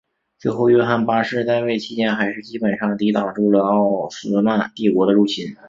最后约翰八世在位期间还是基本上抵挡住了奥斯曼帝国的入侵。